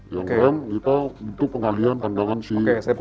yang rem kita butuh pengalih pada pandangan si kombon